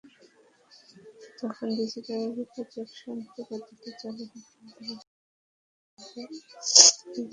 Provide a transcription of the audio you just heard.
তখনো digital projection পদ্ধতি চালু হয়নি বলে ভীষণ ঝামেলা পোহাতে হয়েছিল।